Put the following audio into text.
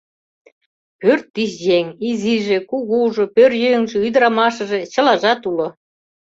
Пӧрт тич еҥ: изиже, кугужо, пӧръеҥже, ӱдырамашыже — чылажат уло.